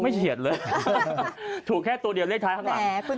เฉียดเลยถูกแค่ตัวเดียวเลขท้ายข้างหลัง